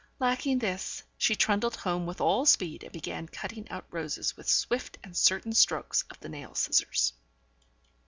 Lacking this, she trundled home with all speed, and began cutting out roses with swift and certain strokes of the nail scissors.